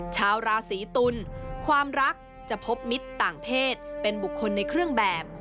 ชาวราศีตุลความรักจะพบมิตรต่างเพศเป็นบุคคลในเครื่องแบบ